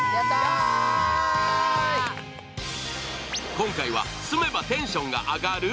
今回は、住めばテンションが上がる？